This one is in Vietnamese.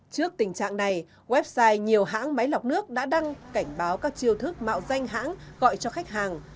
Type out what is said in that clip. trước tình trạng này website nhiều hãng máy lọc nước đã đăng cảnh báo các chiêu thức mạo danh hãng gọi cho khách hàng